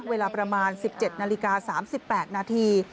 เวลาประมาณ๑๗นาฬิกา๓๘นาที